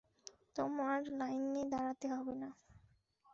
তোমার লাইনে দাড়াতে হবে না।